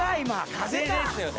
風ですよね。